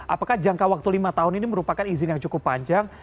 apakah jangka waktu lima tahun ini merupakan izin yang cukup panjang